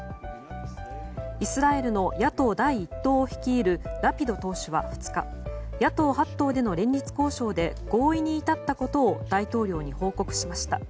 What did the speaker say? イスラエルの野党第１党を率いるラピド党首は２日野党８党での連立交渉で合意に至ったことを大統領に報告しました。